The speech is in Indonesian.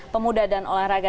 pemuda dan olahraga